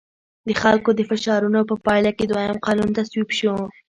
د خلکو د فشارونو په پایله کې دویم قانون تصویب شو.